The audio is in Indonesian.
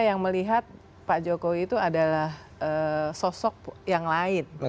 yang melihat pak jokowi itu adalah sosok yang lain